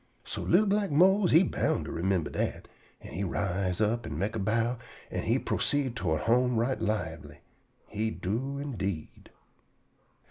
So li'l black Mose he bound to remimber dat, an' he rise up an' mek a bow, an' he proceed toward home right libely. He do, indeed.